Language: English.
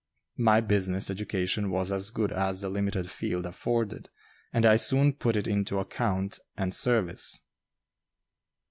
My business education was as good as the limited field afforded, and I soon put it to account and service.